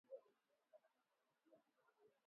Majimaji mengi ya manjano kwenye moyo wa mzoga